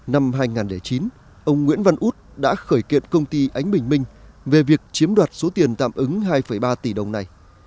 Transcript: năm hai nghìn chín ông nguyễn văn út đã khởi kiện công ty ánh bình minh về việc chiếm đoạt số tiền tạm ứng hai ba tỷ đồng này